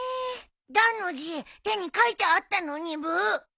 「談」の字手に書いてあったのにブー？